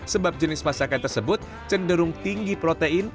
sebab jenis masakan tersebut cenderung tinggi protein